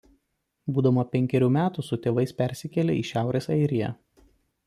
Būdama penkerių metų su tėvais persikėlė į Šiaurės Airiją.